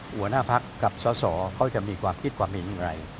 หัวหน้าพักกับสาวส่อเขาก็จะมีความคิดความเห็นยังไง